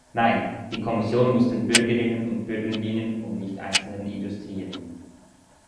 Nein, die Kommission muss den Bürgerinnen und Bürgern dienen und nicht einzelnen Industrien!